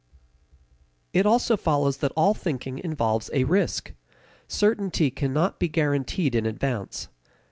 It also follows that all thinking involves a risk. Certainty cannot be guaranteed in advance.